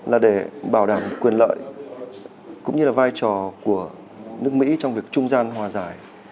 là để bảo đảm quyền lợi cũng như là vai trò của nước mỹ trong việc trung gian hòa giải